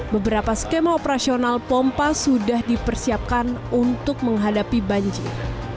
beberapa skema operasional pompa sudah dipersiapkan untuk menghadapi banjir